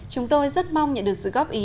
chúng tôi rất mong nhận được sự góp ý